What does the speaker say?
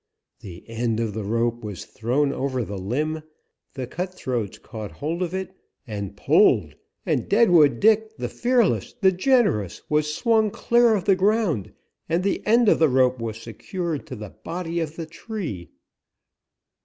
The end of the rope was thrown over the limb, the cutthroats caught hold of it and pulled, and Deadwood Dick, the fearless, the generous, was swung clear of the ground and the end of the rope was secured to the body of the tree.